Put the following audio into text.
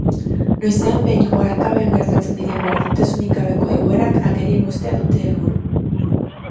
Noizean behin oharkabean gertatzen diren berdintasunik gabeko egoerak agerian uztea dute helburu.